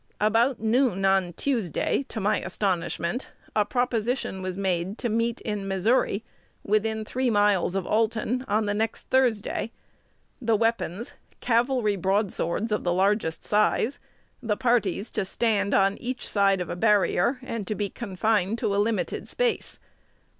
About noon on Tuesday, to my astonishment, a proposition was made to meet in Missouri, within three miles of Alton, on the next Thursday! The weapons, cavalry broadswords of the largest size; the parties to stand on each side of a barrier, and to be confined to a limited space.